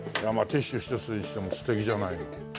ティッシュ１つにしても素敵じゃない。